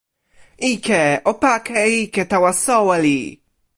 ike, o pake e ike tawa soweli!